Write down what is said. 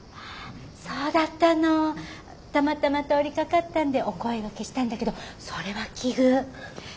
たまたま通りかかったんでお声がけしたんだけどそれは奇遇。